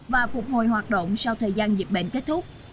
và phục hồi hoạt động sau thời gian dịch bệnh kết thúc